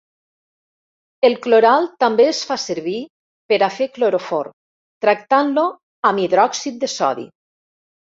El cloral també es fa servir per a fer cloroform tractant-lo amb hidròxid de sodi.